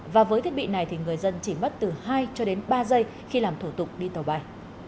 và với thiết bị này thì người dân chỉ mất từ hai cho đến ba giây khi làm thủ tục đi tàu bay